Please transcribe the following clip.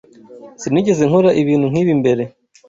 Sinigeze nkora ibintu nkibi mbere.